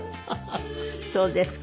そうですか。